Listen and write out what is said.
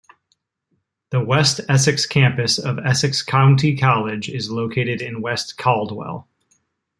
The West Essex Campus of Essex County College is located in West Caldwell.